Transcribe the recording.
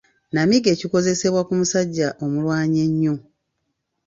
Nnamige kikozesebwa ku musajja omulwanyi ennyo.